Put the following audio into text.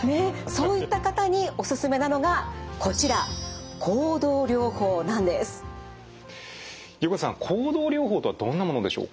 そういった方におすすめなのがこちら横手さん行動療法とはどんなものでしょうか？